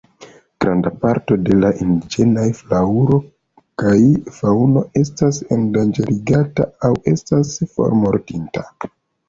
Granda parto de la indiĝenaj flaŭro kaj faŭno estas endanĝerigata aŭ estas formortinta.